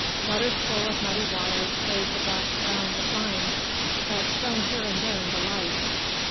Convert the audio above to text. Gutters full of muddy water rayed the black ground with lines that shone here and there in the light.